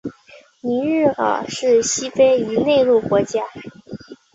尼日尔是西非一内陆国家。